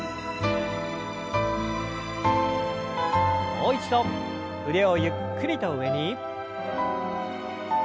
もう一度腕をゆっくりと上に。